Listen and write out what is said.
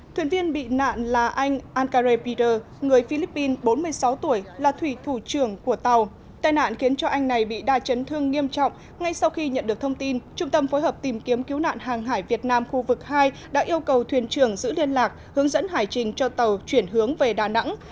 thuyền viên bị nạn là anh ankaray peter người philippines bốn mươi sáu tuổi là thủy thủ trưởng của tàu tai nạn khiến cho anh này bị đa chấn thương nghiêm trọng ngay sau khi nhận được thông tin trung tâm phối hợp tìm kiếm cứu nạn hàng hải việt nam khu vực hai đã yêu cầu thuyền trưởng giữ liên lạc hướng dẫn hải trình cho tàu chuyển hướng về đà nẵng